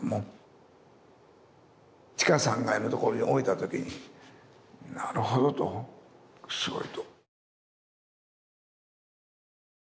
地下３階の所に置いた時になるほどとすごいと。